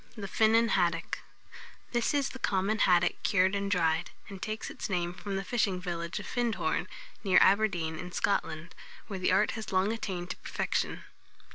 THE FINNAN HADDOCK. This is the common haddock cured and dried, and takes its name from the fishing village of Findhorn, near Aberdeen, in Scotland, where the art has long attained to perfection.